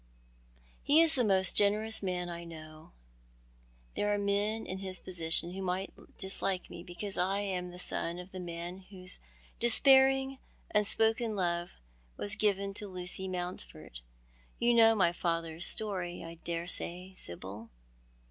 " He is the most generous man I know. There are men in his position who might dislike me because I am the son of In the Pine Wood. 99 the man whose despairing, nnspokeu love was given to Lucy Mountford. You know my father's story, I daresay, Sibyl